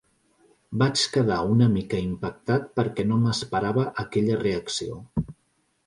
Vaig quedar una mica impactat perquè no m’esperava aquella reacció.